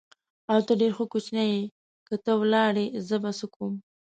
او، ته ډېر ښه کوچنی یې، که ته ولاړې زه به څه کوم؟